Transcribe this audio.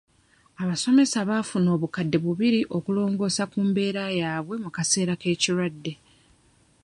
Abasomesa baafuna obukadde bubiri okulongoosa ku mbeera yaabwe mu kaseera k'ekirwadde.